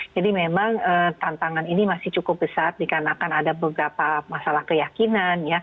memang tantangan ini masih cukup besar dikarenakan ada beberapa masalah keyakinan